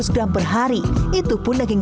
seratus gram per hari itupun daging